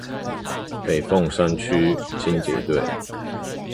北鳳山區清潔隊